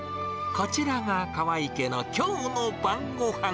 こちらが川合家のきょうの晩ごはん。